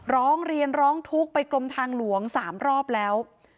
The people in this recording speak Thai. ร้องเรียนร้องทุกข์ไปกรมทางหลวง๓รอบแล้ว